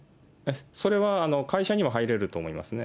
それは会社には入れると思いますね。